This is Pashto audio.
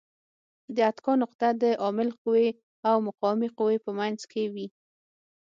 د اتکا نقطه د عامل قوې او مقاومې قوې په منځ کې وي.